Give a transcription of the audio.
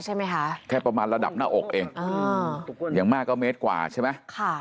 ใช่ไหมคะแค่ประมาณระดับหน้าอกเองอย่างมากก็เมตรกว่าใช่ไหมค่ะ